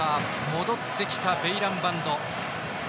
戻ってきたベイランバンド。